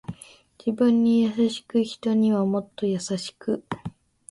自分に優しく人にはもっと優しく